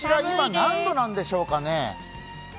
今、何度なんでしょうかね。